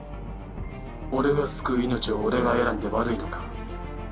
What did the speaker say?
俺が救う命を俺が選んで悪いのか？